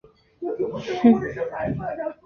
无根萍属在东南亚部份地区被当作蔬菜。